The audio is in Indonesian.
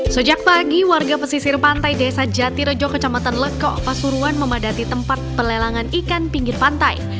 sejak pagi warga pesisir pantai desa jatirejo kecamatan lekok pasuruan memadati tempat pelelangan ikan pinggir pantai